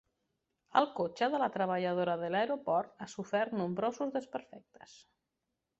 El cotxe de la treballadora de l'aeroport ha sofert nombrosos desperfectes